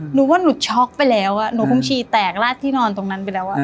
หนูว่าหนูช็อกไปแล้วหนูคงฉี่แตกลาดที่นอนตรงนั้นไปแล้ว